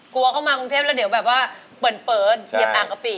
กลัวเข้ามากรุงเทพแล้วเดี๋ยวแบบว่าเปิดเหยียบอ่างกะปิ